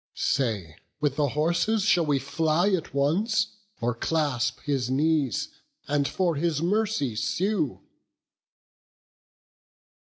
Say, with the horses shall we fly at once, Or clasp his knees, and for his mercy sue?"